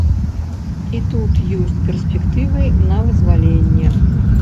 І тут ёсць перспектывы на вызваленне.